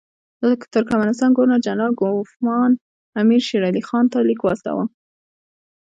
د ترکمنستان ګورنر جنرال کوفمان امیر شېر علي خان ته لیک واستاوه.